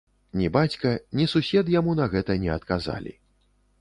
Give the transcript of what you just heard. Ні бацька, ні сусед яму на гэта не адказалі.